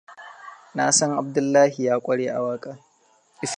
Na san Abdullahia ya ƙware a waƙa.